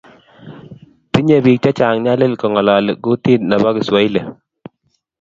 Tenye biik che chang nyalil kong'ololi kotee ne bo Kiswahili.